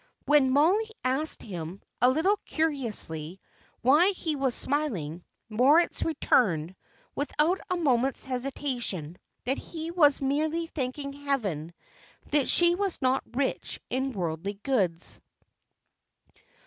When Mollie asked him, a little curiously, why he was smiling, Moritz returned, without a moment's hesitation, that he was merely thanking Heaven that she was not rich in worldly goods.